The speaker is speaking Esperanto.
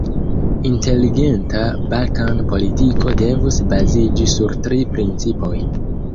Inteligenta Balkan-politiko devus baziĝi sur tri principoj.